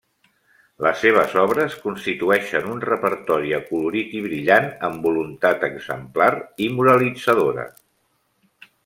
Les seves obres constitueixen un repertori acolorit i brillant, amb voluntat exemplar i moralitzadora.